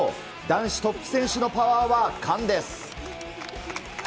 男子トップ選手のパワーは圧巻です。